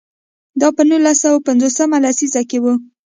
دا په نولس سوه پنځوس مه لسیزه کې و.